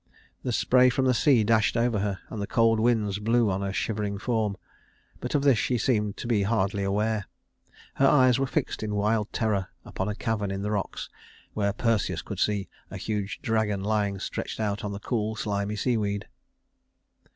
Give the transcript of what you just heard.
The spray from the sea dashed over her, and the cold winds blew on her shivering form; but of this she seemed to be hardly aware. Her eyes were fixed in wild terror upon a cavern in the rocks, where Perseus could see a huge dragon lying stretched out on the cool, slimy seaweed.